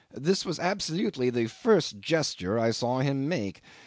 This was absolutely the first gesture I saw him make.